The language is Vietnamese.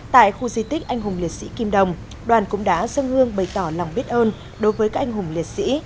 tại khu di tích anh hùng liệt sĩ kim đồng đoàn cũng đã dâng hương bày tỏ lòng biết ơn đối với các anh hùng liệt sĩ